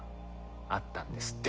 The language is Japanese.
あったんですって。